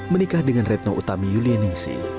menikah dengan retno utami yulien ningsi